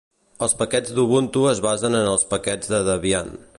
Els paquets d'Ubuntu es basen en els paquets de Debian.